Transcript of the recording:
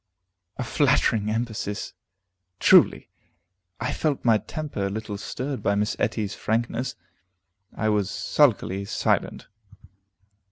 A flattering emphasis, truly! I felt my temper a little stirred by Miss Etty's frankness. I was sulkily silent.